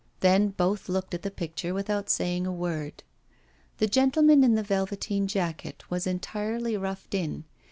Then both looked at the picture without saying a word. The gentleman in the velveteen jacket was entirely roughed in.